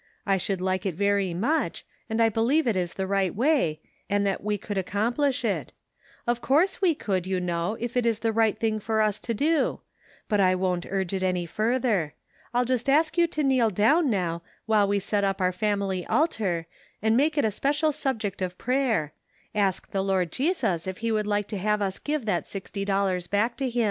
I should like it very much, and I believe it is the right way, and that we could accom plish it ; of course we could, you know, if it is the right thing for us to do ; but I won't urge it any further. I'll just ask you to kneel down now, while we set up our family altar, and make it a special subject of prayer ; ask the Lord Jesus if he would like to have us give that sixty dollars back to him."